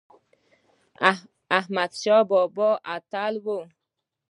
احمد شاه بابا اتل و